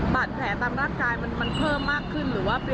บาดแผลตามร่างกายมันเพิ่มมากขึ้นหรือว่าเปลี่ยนไปหรือเปล่า